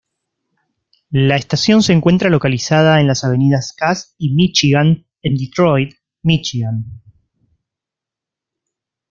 La estación se encuentra localizada en las avenidas Cass y Míchigan en Detroit, Míchigan.